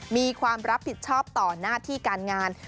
มีความรับผิดชอบต่อหน้าที่การงาน